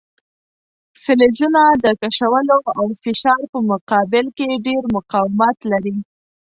فلزونه د کشولو او فشار په مقابل کې ډیر مقاومت لري.